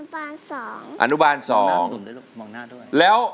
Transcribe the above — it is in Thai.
เพื่อจะไปชิงรางวัลเงินล้าน